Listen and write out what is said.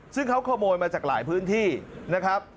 ซึ่งเขาขโมยมาจากหลายพื้นที่นะครับ